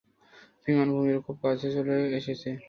বিমান ভূমির খুব কাছে চলে এসেছে।